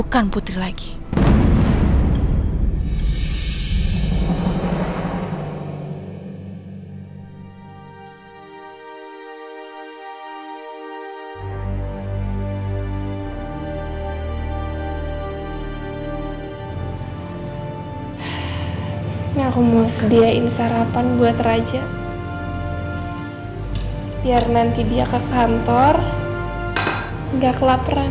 hai yang mau sediain sarapan buat raja biar nanti dia ke kantor nggak kelaparan